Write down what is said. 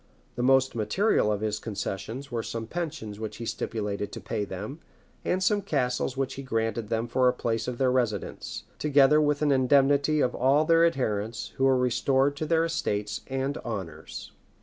The most material of his concessions were some pensions which he stipulated to pay them, and some castles which he granted them for the place of their residence; together with an indemnity for all their adherents, who were restored to their estates and honors.